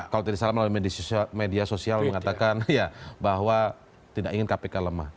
kalau tidak salah melalui media sosial mengatakan bahwa tidak ingin kpk lemah